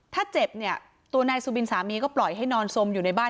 ถ้าเจ็บเนี่ยตัวนายสุบินสามีก็ปล่อยให้นอนสมอยู่ในบ้าน